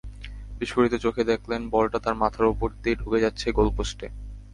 বিস্ফারিত চোখে দেখলেন, বলটা তাঁর মাথার ওপর দিয়ে ঢুকে যাচ্ছে গোলপোস্টে।